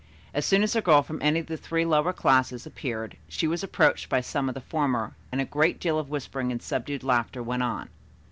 As soon as a girl from any of the three lower classes appeared she was approached by some of the former and a great deal of whispering and subdued laughter went on.